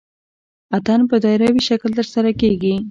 اتن په دایروي شکل ترسره کیږي.